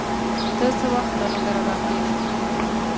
ته څه وخت له لوګره راغلې؟